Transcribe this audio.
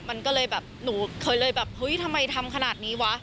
มันก็เลยแบบหนูเคยเลยแบบเฮ้ยทำไมทำขนาดนี้วะ